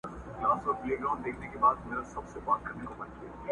هم یې پلار ننه ایستلی په زندان وو!